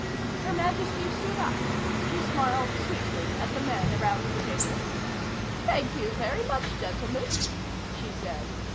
Her Majesty stood up. She smiled sweetly at the men around the table. "Thank you very much, gentlemen," she said.